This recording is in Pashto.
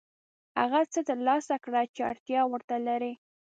هغه څه ترلاسه کړه چې اړتیا ورته لرې.